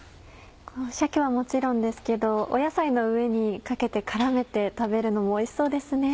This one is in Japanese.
鮭はもちろんですけど野菜の上にかけて絡めて食べるのもおいしそうですね。